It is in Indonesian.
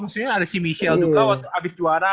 maksudnya ada si michelle juga waktu habis juara